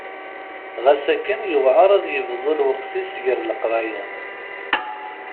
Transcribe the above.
Ɣas akken yuɛer ad yebḍu lweqt-is gar leqraya.